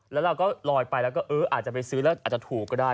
แล้วเราก็ลอยไปแล้วก็เอออาจจะไปซื้อแล้วอาจจะถูกก็ได้